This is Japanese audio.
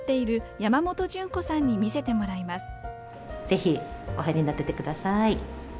是非お入りになってってください。